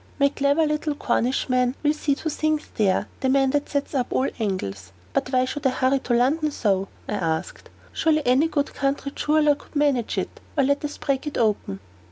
My clever little Cornishman will see to things here the man that sets up all the angles." "But why should I hurry you to London so?" I asked. "Surely any good country jeweler could manage it? Or let us break it open."